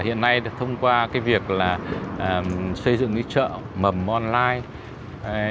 hiện nay thông qua cái việc là xây dựng những chợ mầm online